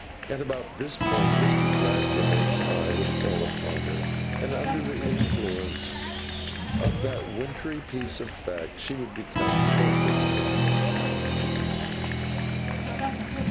At about this point, Mr. Gradgrind's eye would fall upon her; and under the influence of that wintry piece of fact, she would become torpid again.